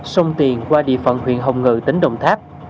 sông tiền qua địa phận huyện hồng ngự tỉnh đồng tháp